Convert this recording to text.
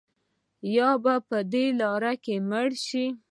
یا به په دې لاره کې مړه شو.